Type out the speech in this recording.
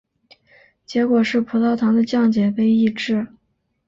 结果是葡萄糖的降解被抑制。